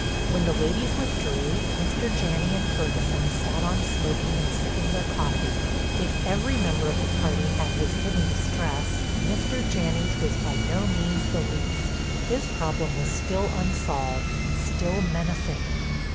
When the ladies withdrew Mr. Janney and Ferguson sat on smoking and sipping their coffee. If every member of the party had his hidden distress, Mr. Janney's was by no means the least. His problem was still unsolved, still menacing.